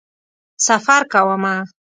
سفر کومه